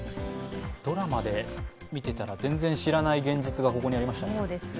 ドラマで見ていたら、全然知らない現実がここにありましたね。